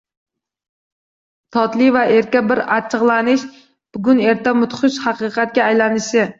Totli va erka bir achchig’lanish bugun-erta mudhish haqiqatga aylanishi